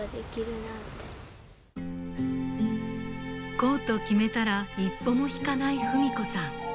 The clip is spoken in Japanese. こうと決めたら一歩も引かない文子さん。